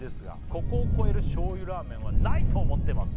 「ここを超える醤油ラーメンはないと思ってます」